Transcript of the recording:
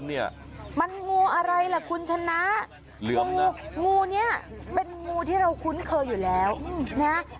ติดตรงอยู่ไหนล่ะติดตรงไว้เลยติดตรงไว้เลย